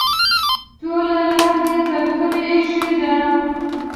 ټوله لار دې ټر ټور ایښی ده.